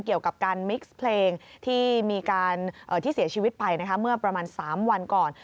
เกี่ยวกับการมิกซ์เพลงที่เสียชีวิตไปเมื่อประมาณ๓วันก่อน